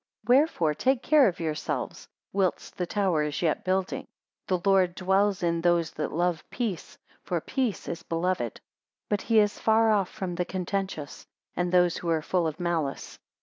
269 Wherefore take care of yourselves whilst the tower is, yet building. The Lord dwells in those that love peace, for peace is beloved; but he is far off from the contentious, and those who are full of malice.